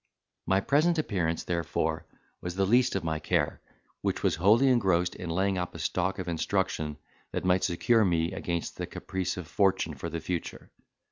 My present appearance, therefore, was the least of my care, which was wholly engrossed in laying up a stock of instruction that might secure me against the caprice of fortune for the future.